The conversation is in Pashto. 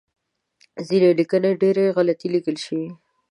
ځینې لیکنې ډیری غلطې لیکل شوی